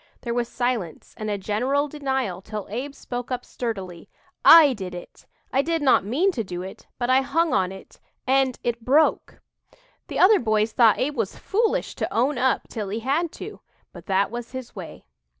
There was silence and a general denial till Abe spoke up sturdily: "I did it. I did not mean to do it, but I hung on it and it broke!" The other boys thought Abe was foolish to "own up" till he had to but that was his way.